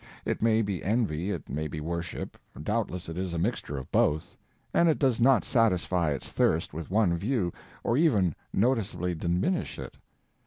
It may be envy, it may be worship, doubtless it is a mixture of both—and it does not satisfy its thirst with one view, or even noticeably diminish it.